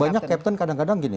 banyak captain kadang kadang gini